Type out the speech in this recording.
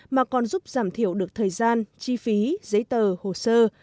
mà còn giúp giảm thiểu được thời gian chi phí giấy tờ hồ sơ